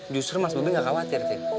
justru mas bobby gak khawatir